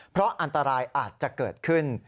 เพราะอันตรายอาจจะเกิดขึ้น